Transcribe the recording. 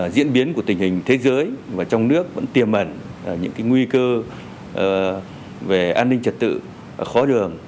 diễn biến của tình hình thế giới và trong nước vẫn tiềm ẩn những nguy cơ về an ninh trật tự khó lường